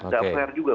tidak fair juga